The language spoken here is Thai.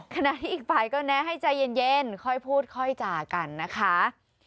ขณะที่อีกฝ่ายก็แนะให้ใจเย็นค่อยพูดค่อยจากันนะคะ